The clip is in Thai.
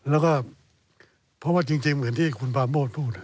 แล้วก็เพราะว่าจริงเหมือนที่คุณปราโมทพูด